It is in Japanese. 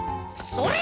それ。